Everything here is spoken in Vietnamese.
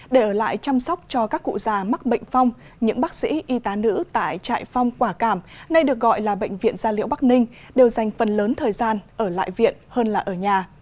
để ở lại chăm sóc cho các cụ già mắc bệnh phong những bác sĩ y tá nữ tại trại phong quả cảm nay được gọi là bệnh viện gia liễu bắc ninh đều dành phần lớn thời gian ở lại viện hơn là ở nhà